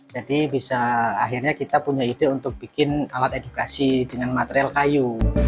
bisa akhirnya kita punya ide untuk bikin alat edukasi dengan material kayu